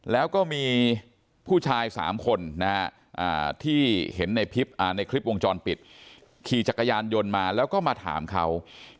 แล้วก็มีผู้ชาย๓คนที่เห็นในคลิปวงจรปิดขี่จักรยานยนต์มาแล้วก็มาถามเขา